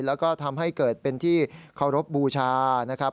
แล้วก็ทำให้เกิดเป็นที่เคารพบูชานะครับ